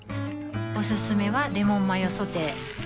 おすすめはレモンマヨソテー